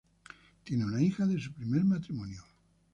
Tiene una hija de su primer matrimonio.